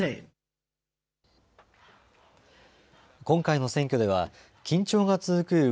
今回の選挙では緊張が続く